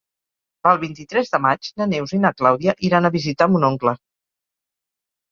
El vint-i-tres de maig na Neus i na Clàudia iran a visitar mon oncle.